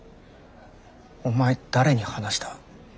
お前誰に話した。